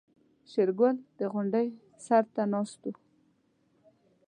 شېرګل د غونډۍ سر ته ناست و.